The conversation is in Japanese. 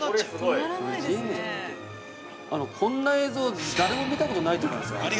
◆こんな映像誰も見たことないと思いますよ。